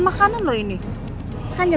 saya tinggalin verd deh